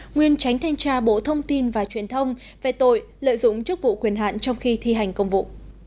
nguyên tránh thanh tra bộ thông tin và truyền thông về tội lợi dụng chức vụ quyền hạn trong khi thi hành công vụ